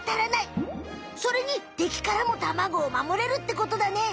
それに敵からも卵を守れるってことだね。